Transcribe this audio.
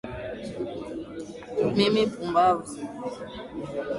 mimi pumbavu